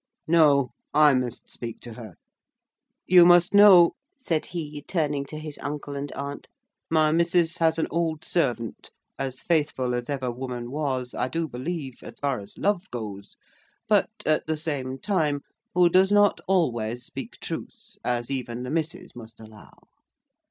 "No! I must speak to her. You must know," said he, turning to his uncle and aunt, "my missus has an old servant, as faithful as ever woman was, I do believe, as far as love goes,—but, at the same time, who does not always speak truth, as even the missus must allow.